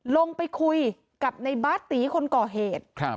ลงไปคุยกับในบาสตีคนก่อเหตุ